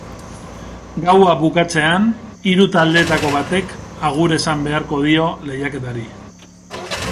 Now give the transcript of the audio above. Gaua bukatzean, hiru taldeetako batek agur esan beharko dio lehiaketari.